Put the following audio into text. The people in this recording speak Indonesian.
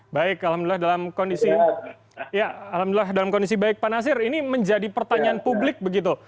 baik alhamdulillah dalam kondisi baik pak nasir ini menjadi pertanyaan publik begitu